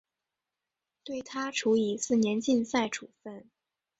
对她处以四年禁赛处分。